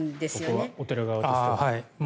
ここはお寺側としては。